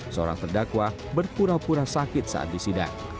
seorang terdakwa berpura pura sakit saat disidang